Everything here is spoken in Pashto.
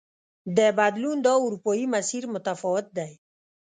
د بدلون دا اروپايي مسیر متفاوت دی.